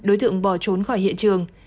đối tượng bỏ trốn khỏi hiện trường